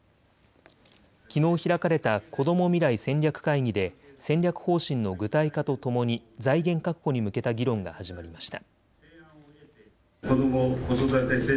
きのう開かれたこども未来戦略会議で戦略方針の具体化とともに財源確保に向けた議論が始まりました。